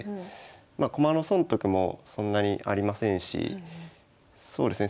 ま駒の損得もそんなにありませんしそうですね